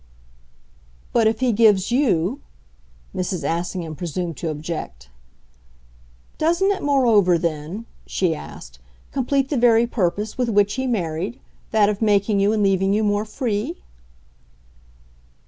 "But if he gives you?" Mrs. Assingham presumed to object. "Doesn't it moreover then," she asked, "complete the very purpose with which he married that of making you and leaving you more free?"